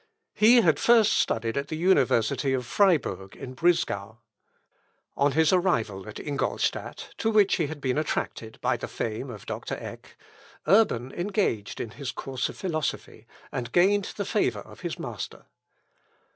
He had first studied at the university of Fribourg in Brisgau. On his arrival at Ingolstadt, to which he had been attracted by the fame of Doctor Eck, Urban engaged in his course of philosophy, and gained the favour of his master.